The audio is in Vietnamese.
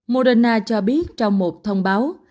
moderna cho biết trong một thông báo